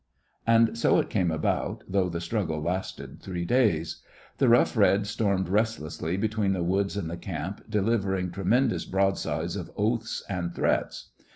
And so it came about, though the struggle lasted three days. The Rough Red stormed restlessly between the woods and the camp, delivering tremendous broadsides of oaths and threats.